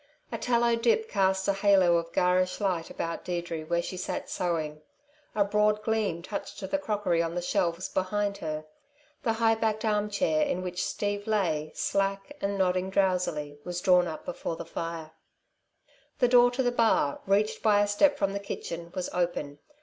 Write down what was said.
A tallow dip cast a halo of garish light about Deirdre where she sat sewing; a broad gleam touched the crockery on the shelves behind her. The high backed arm chair in which Steve lay, slack and nodding drowsily, was drawn up before the fire. The door to the bar, reached by a step from the kitchen, was open.